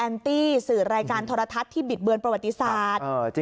ตี้สื่อรายการโทรทัศน์ที่บิดเบือนประวัติศาสตร์